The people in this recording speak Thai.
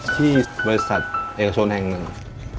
ที่บริษัทเอกชนแห่งหนึ่ง